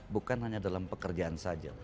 bukan hanya dalam pekerjaan saja